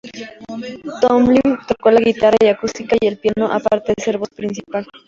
Tomlin toca la guitarra acústica y el piano, aparte de ser la voz principal.